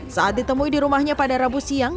saat ditemui di rumahnya pada rabu siang